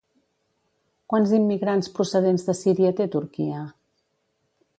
Quants immigrants procedents de Síria té Turquia?